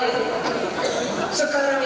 di jpr keputusan yang kemarin